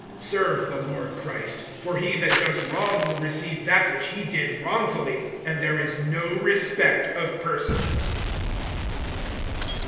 Serve the Lord Christ. (25)For he that does wrong will receive that which he did wrongfully; and there is no respect of persons.